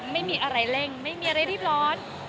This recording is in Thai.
ไม่มีอะไรเร่งไม่มีอะไรรีบร้อน